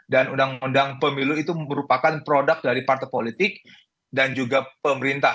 dan undang undang pemilu itu merupakan produk dari partai politik dan juga pemerintah